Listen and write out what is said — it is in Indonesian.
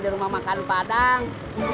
di rumah makan padang